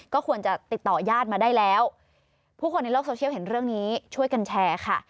ก็ควรจะติดต่อยาดมาได้แล้วผู้คนในโลกโซเชียลเห็นเรื่องนี้ช่วยกันแชร์ค่ะ